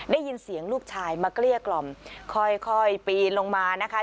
ได้ยินเสียงลูกชายมาเกลี้ยกล่อมค่อยปีนลงมานะคะ